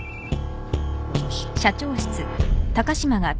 もしもし。